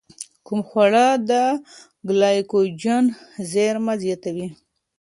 کوم خواړه د ګلایکوجن زېرمه زیاتوي؟